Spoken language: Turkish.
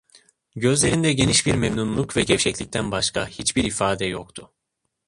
Gözlerinde geniş bir memnunluk ve gevşeklikten başka hiçbir ifade yoktu.